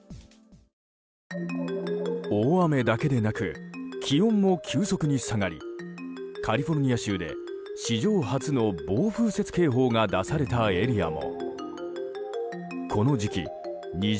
大雨だけでなく気温も急速に下がりカリフォルニア州で史上初の暴風雪警報が出されたエリアも。